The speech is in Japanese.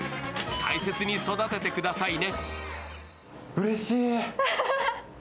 大切に育ててくださいね。